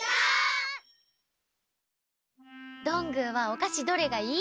どんぐーはおかしどれがいい？